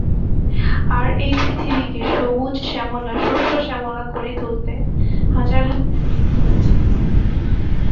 আর এই পৃথিবীকে সবুজ-শ্যামলা শস্য শ্যামলা করে তুলেছে হাজার হাজার বৃক্ষরাজি।